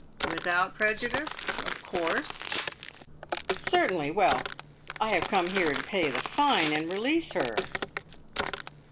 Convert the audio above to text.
"Without prejudice, of course?" " Certainly ! Well, I have come here to pay the fine, and release her."